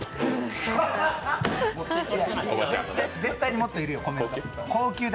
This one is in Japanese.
絶対にもっと要るよコメント。